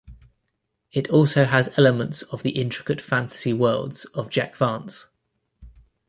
It also has elements of the intricate fantasy worlds of Jack Vance.